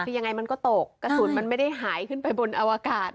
คือยังไงมันก็ตกกระสุนมันไม่ได้หายขึ้นไปบนอวกาศ